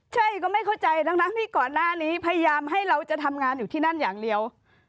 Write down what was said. ใช่ก็ไม่เข้าใจทั้งที่ก่อนหน้านี้พยายามให้เราจะทำงานอยู่ที่นั่นอย่างเดียว